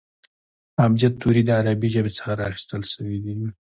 ابجد توري د عربي ژبي څخه را اخستل سوي دي.